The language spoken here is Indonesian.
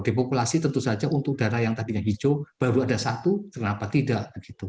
depopulasi tentu saja untuk darah yang tadinya hijau baru ada satu kenapa tidak